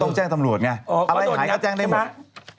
แจ้งตำรวจไงอะไรหายก็แจ้งได้หมด